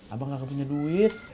abang gak kebanyakan duit